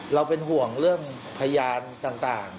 เราเป็นห่วงเรื่องพยานต่าง